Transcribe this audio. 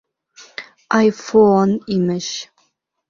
Айфо-он, имеш.